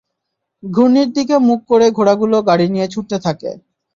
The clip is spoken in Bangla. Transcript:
ঘূর্ণির দিকে মুখ করে ঘোড়াগুলো গাড়ি নিয়ে ছুটতে থাকে।